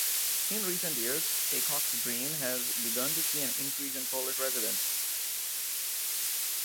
In recent years, Acocks Green has begun to see an increase in Polish residents.